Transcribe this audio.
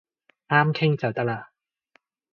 啱傾就得啦